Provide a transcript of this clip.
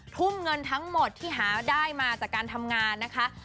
ทุ่มเงินทั้งหมดที่หาได้มาจากการทำงานนะคะ